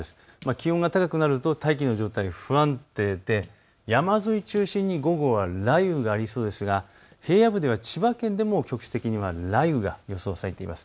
気温が高くなると大気の状態が不安定で山沿いを中心に午後は雷雨がありそうですが平野部では千葉県でも局地的には雷雨が予想されています。